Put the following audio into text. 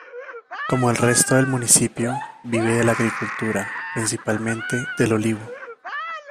Como el resto del municipio, vive de la agricultura, principalmente del olivo.